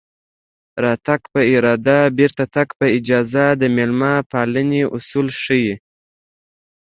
راتګ په اراده بېرته تګ په اجازه د مېلمه پالنې اصول ښيي